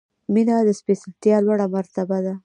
• مینه د سپېڅلتیا لوړه مرتبه ده.